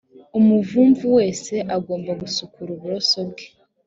umuvumvu wese agomba gusukura uburoso bwe